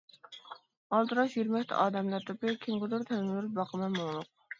ئالدىراش يۈرمەكتە ئادەملەر توپى، كىمگىدۇر تەلمۈرۈپ باقىمەن مۇڭلۇق.